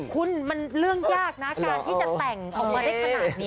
คุณมันเรื่องยากนะการที่จะแต่งออกมาได้ขนาดนี้